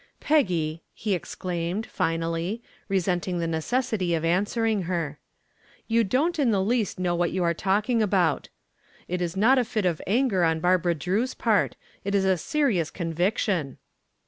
"Peggy," he exclaimed, finally, resenting the necessity of answering her, "you don't in the least know what you are talking about. It is not a fit of anger on Barbara Drew's part. It is a serious conviction."